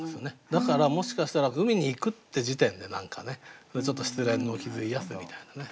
だからもしかしたら海に行くって時点で何かねちょっと失恋の傷癒やすみたいなね